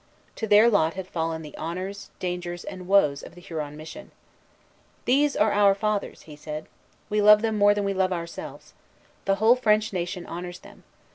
To their lot had fallen the honors, dangers, and woes of the Huron mission. "These are our fathers," he said. "We love them more than we love ourselves. The whole French nation honors them.